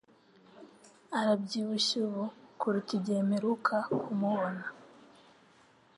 arabyibushye ubu kuruta igihe mperuka kumubona